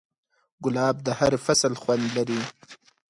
ګلاب د هر فصل خوند لري.